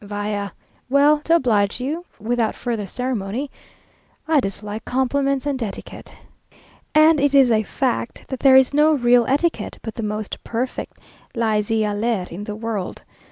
"Vaya, well, to oblige you, without further ceremony; I dislike compliments and etiquette." And it is a fact that there is no real etiquette but the most perfect laíssez aller in the world.